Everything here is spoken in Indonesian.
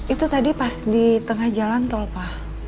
itu tadi pas di tengah jalan tol pak